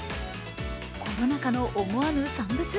コロナ禍の思わぬ産物？